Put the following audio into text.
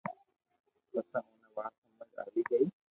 پسو اوني وات ھمج آوي گئي